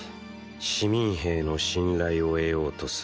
市民兵の信頼を得ようとするハイロ。